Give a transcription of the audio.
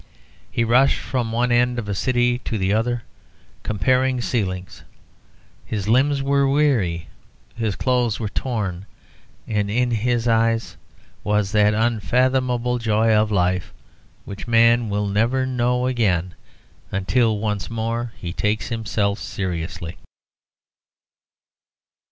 He rushed from one end of a city to the other comparing ceilings. His limbs were weary, his clothes were torn, and in his eyes was that unfathomable joy of life which man will never know again until once more he takes himself seriously.